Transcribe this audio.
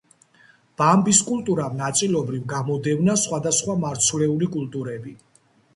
ბამბის კულტურამ ნაწილობრივ გამოდევნა სხვადასხვა მარცვლეული კულტურები.